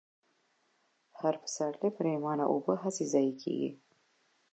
هر پسرلۍ پرېمانه اوبه هسې ضايع كېږي،